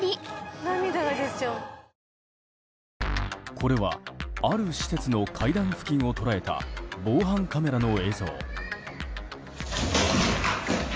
これはある施設の階段付近を捉えた防犯カメラの映像。